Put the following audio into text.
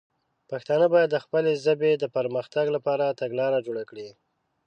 پښتانه باید د خپلې ژبې د پر مختګ لپاره تګلاره جوړه کړي.